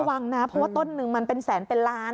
วังนะเพราะว่าต้นนึงมันเป็นแสนเป็นล้าน